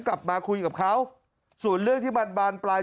กลับมาคุยกับเขาส่วนเรื่องที่มันบานปลาย